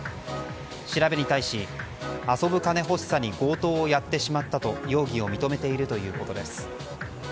調べに対し遊ぶ金欲しさに強盗をやってしまったと容疑を認めているということです。